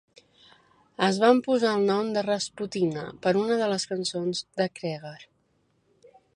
Es van posar el nom de "Rasputina" per una de les cançons de Creager.